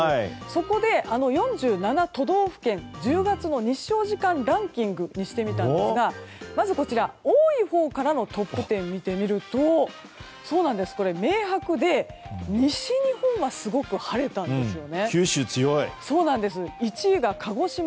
そこで４７都道府県１０月の日照時間ランキングにしてみたんですがまず、多いほうからのトップ１０を見てみるとこれ明白で西日本はすごく晴れたんですね。